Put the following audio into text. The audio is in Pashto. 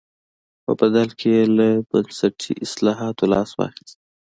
په بدل کې یې له بنسټي اصلاحاتو لاس واخیست.